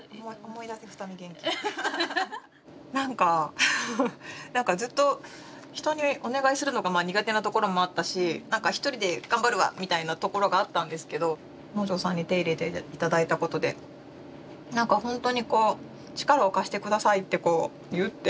なんかなんかずっと人にお願いするのが苦手なところもあったし１人で頑張るわみたいなところがあったんですけど能條さんに手入れて頂いたことでなんかほんとにこう力を貸して下さいってこう言うって。